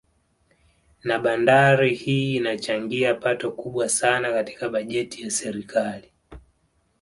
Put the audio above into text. Na bandari hii inachangia pato kubwa sana katika bajeti ya serikali